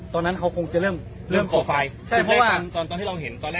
ตะวันนั่นแหละพี่ที่เราเจอขั้นนั่นแหละ